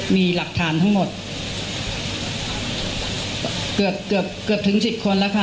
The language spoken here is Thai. มีหลักฐานทั้งหมดเกือบถึง๑๐คนแล้วค่ะ